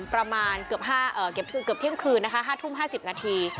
ประมาณเกือบเที่ยงคืนนะคะ๕ทุ่ม๕๐นาที